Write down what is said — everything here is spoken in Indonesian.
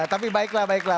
tapi baiklah baiklah